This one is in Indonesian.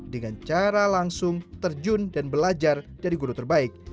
dengan cara langsung terjun dan belajar dari guru terbaik